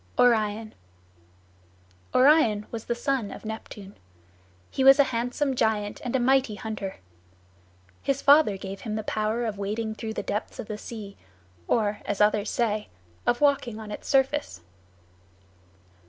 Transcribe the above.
ORION Orion was the son of Neptune. He was a handsome giant and a mighty hunter. His father gave him the power of wading through the depths of the sea, or, as others say, of walking on its surface.